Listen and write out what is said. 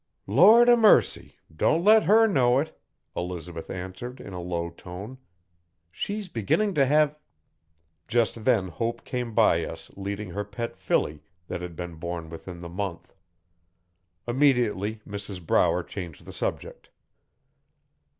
'Lord o' mercy! Don't let her know it,' Elizabeth answered, in a low tone. 'She's beginning to have ' Just then Hope came by us leading her pet filly that had been born within the month. Immediately Mrs Brower changed the subject.